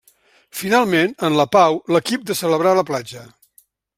Finalment, en la pau, l'equip de celebrar a la platja.